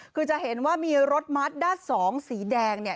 คือจะเห็นว่ามีรถมัสด้านสองสีแดงเนี่ย